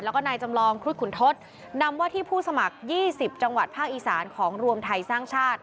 แล้วก็นายจำลองครุฑขุนทศนำว่าที่ผู้สมัคร๒๐จังหวัดภาคอีสานของรวมไทยสร้างชาติ